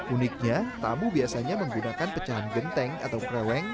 uniknya tamu biasanya menggunakan pecahan genteng atau kreweng